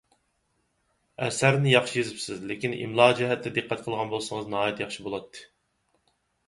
ئەسەرنى ياخشى يېزىپسىز، لېكىن ئىملا جەھەتتە دىققەت قىلغان بولسىڭىز ناھايىتى ياخشى بولاتتى.